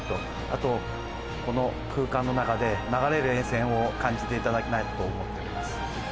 あとこの空間の中で流れる沿線を感じて頂きたいと思っております。